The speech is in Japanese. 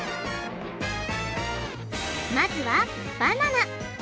まずはバナナ。